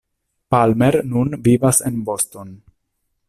Palmer nun vivas en Boston.